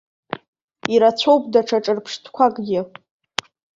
Ирацәоуп даҽа ҿырԥштәқәакгьы.